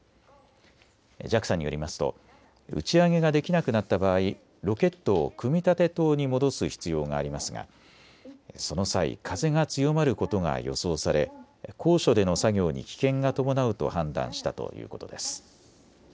ＪＡＸＡによりますと打ち上げができなくなった場合、ロケットを組み立て棟に戻す必要がありますがその際、風が強まることが予想され高所での作業に危険が伴うと判断したということです。